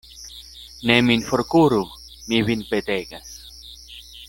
Ne min forkuru; mi vin petegas.